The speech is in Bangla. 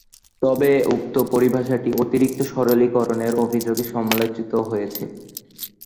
তবে উক্ত পরিভাষাটি অতিরিক্ত-সরলীকরণের অভিযোগে সমালোচিত হয়েছে।